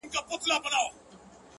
خداى نه چي زه خواست كوم نو دغـــه وي؛